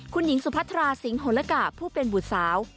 คุณหญิงสุพัทราสิงหลกะผู้เป็นบุตรสาว